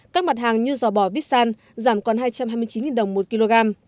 các mặt hàng như giò bò vít san giảm còn hai trăm hai mươi chín đồng một kg